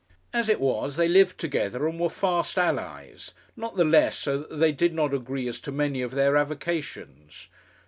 As it was they lived together and were fast allies; not the less so that they did not agree as to many of their avocations.